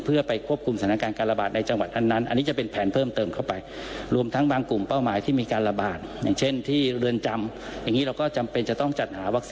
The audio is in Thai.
เผื่อบ้านไกลแต่ว่าได้ฉีดแน่ทางสุขเขายืนแนว่าได้ฉีดแน่นะครับ